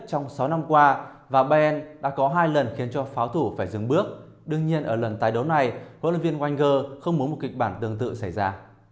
trong sáu năm qua và been đã có hai lần khiến cho pháo thủ phải dừng bước đương nhiên ở lần tái đấu này huấn luyện viên wenger không muốn một kịch bản tương tự xảy ra